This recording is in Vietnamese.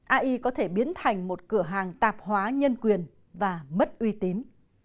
ai có thể biến thành một cửa hàng tạp hóa nhân quyền và mất uy tín